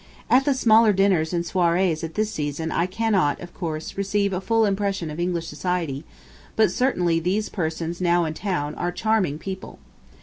At the smaller dinners and soirées at this season I cannot, of course, receive a full impression of English society, but certainly those persons now in town are charming people.